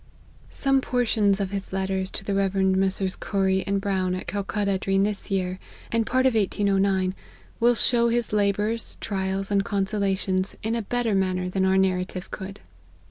Some portions of his letters to the Rev. Messrs. Corrie and Brown, at Calcutta, during this year, and part of 1809, will show his labours, trials, and consolations, in a better manner than our narrative eou'd.